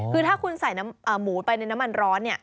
คือถ้าคุณใส่น้ำหมูไปในน้ำมันร้อน